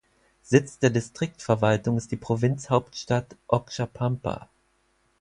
Sitz der Distriktverwaltung ist die Provinzhauptstadt Oxapampa.